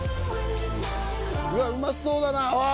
うわうまそうだなあ